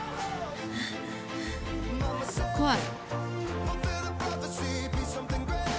怖い。